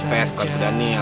budapest kota daniel ya